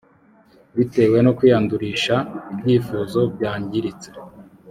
bitewe no kwiyandurisha ibyifuzo byangiritse